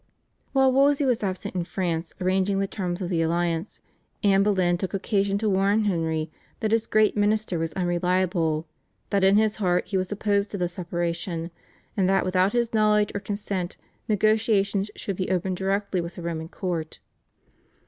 While Wolsey was absent in France arranging the terms of the alliance, Anne Boleyn took occasion to warn Henry that his great minister was unreliable, that in his heart he was opposed to the separation, and that without his knowledge or consent negotiations should be opened directly with the Roman court.